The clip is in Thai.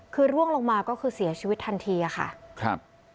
คือร่วงลงมาก็คือเสียชีวิตทันทีอะค่ะครับ